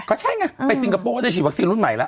ก็ใช่ไงไปซิงคโปร์ก็จะฉีดวัคซีนรุ่นใหม่แล้ว